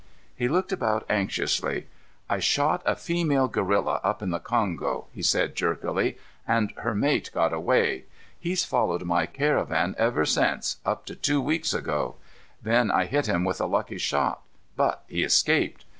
He looked about anxiously. "I shot a female gorilla up in the Kongo," he said jerkily, "and her mate got away. He's followed my caravan ever since, up to two weeks ago. Then I hit him with a lucky shot, but he escaped.